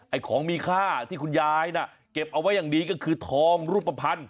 ของมีค่าที่คุณยายน่ะเก็บเอาไว้อย่างดีก็คือทองรูปภัณฑ์